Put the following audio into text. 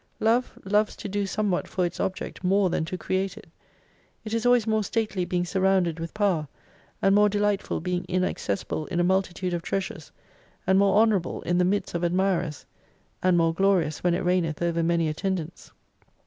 Love loves to do somewhat for its object more than to create it. It is always more stately being surrounded with power, and more delightful being inaccessible in a multitude of treasures, and more honourable in the midst of admirers ; and more glorious when it reigneth over many attendants.